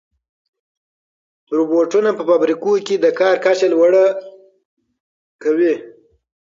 روبوټونه په فابریکو کې د کار کچه لوړه کوي.